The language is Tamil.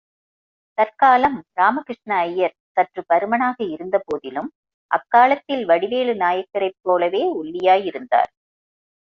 தற்காலம் ராமகிருஷ்ண ஐயர் சற்றுப் பருமனாக இருந்தபோதிலும், அக்காலத்தில் வடிவேலு நாயகரைப் போலவே ஒல்லியாயிருந்தார்.